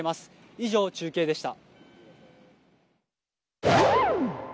以上、中継でした。